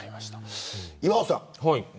岩尾さん。